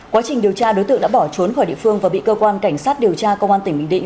quá trình điều tra đối tượng đã bỏ trốn khỏi địa phương và bị cơ quan cảnh sát điều tra công an tỉnh bình định